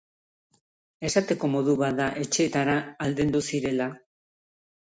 Esateko modu bat da etxeetara aldendu zirela.